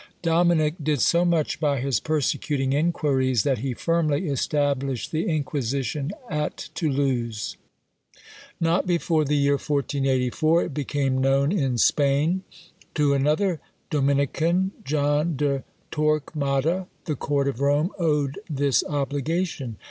Dominic did so much by his persecuting inquiries, that he firmly established the Inquisition at Toulouse. Not before the year 1484 it became known in Spain. To another Dominican, John de Torquemada, the court of Rome owed this obligation.